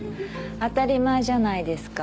当たり前じゃないですか。